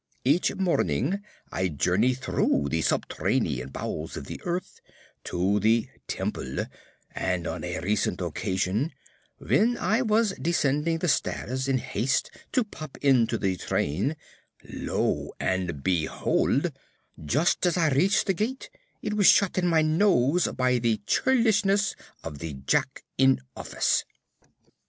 Each morning I journey through the subterranean bowels of the earth to the Temple, and on a recent occasion, when I was descending the stairs in haste to pop into the train, lo and behold, just as I reached the gate, it was shut in my nose by the churlishness of the jack in office!